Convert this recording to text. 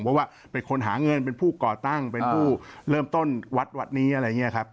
เพราะว่าเป็นคนหาเงินเป็นผู้ก่อตั้งเป็นผู้เริ่มต้นวัดวัดนี้อะไรอย่างนี้ครับ